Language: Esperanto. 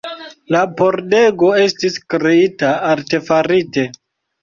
La pordego estis kreita artefarite.